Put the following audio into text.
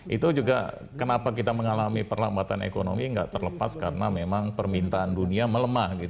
itu juga kenapa kita mengalami perlambatan ekonomi tidak terlepas karena memang permintaan dunia melemah